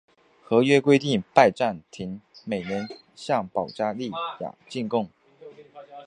合约规定拜占庭每年向保加利亚进贡。